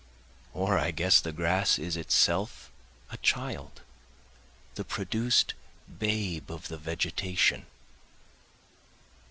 Or I guess the grass is itself a child, the produced babe of the vegetation.